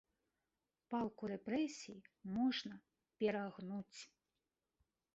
Палку рэпрэсій можна перагнуць.